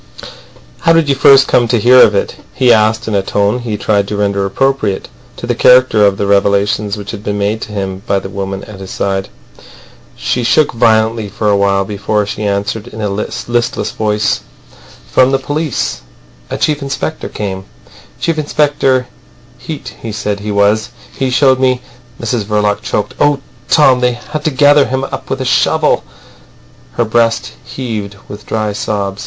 "How did you first come to hear of it?" he asked in a tone he tried to render appropriate to the character of the revelations which had been made to him by the woman at his side. She shook violently for a while before she answered in a listless voice. "From the police. A chief inspector came, Chief Inspector Heat he said he was. He showed me—" Mrs Verloc choked. "Oh, Tom, they had to gather him up with a shovel." Her breast heaved with dry sobs.